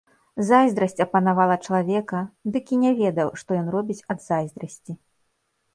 Зайздрасць апанавала чалавека, дык і не ведаў, што ён робіць ад зайздрасці.